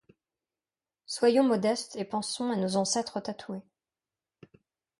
Soyons modestes, et pensons à nos ancêtres tatoués.